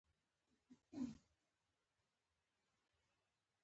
د نااګاهۍ له مخې رامنځته شوې تېروتنې لپاره خپله بښنه وړاندې کوم.